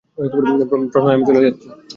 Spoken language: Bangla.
প্রণাম, আমি চলে যাচ্ছি।